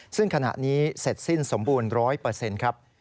ซึ่งขณะนี้เสร็จสิ้นสมบูรณ์๑๐๐ครับ